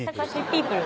ピープル